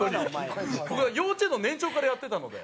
僕は幼稚園の年長からやってたので。